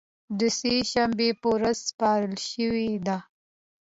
د سې شنبې په ورځ سپارل شوې ده